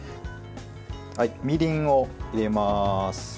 みりんを入れます。